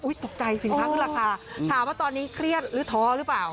ตกใจสินค้าขึ้นราคาถามว่าตอนนี้เครียดหรือท้อหรือเปล่า